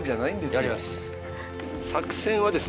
やります！